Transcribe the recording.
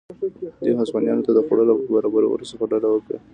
دوی هسپانویانو ته د خوړو له برابرولو څخه ډډه کوله.